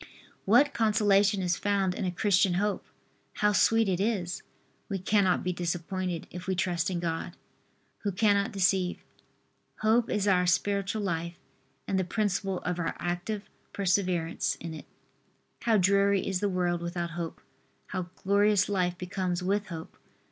What consolation is found in a Christian hope! How sweet it is! We cannot be disappointed if we trust in God, Who cannot deceive. Hope is our spiritual life and the principle of our active perseverance in it. How dreary is the world without hope! How glorious life becomes with hope!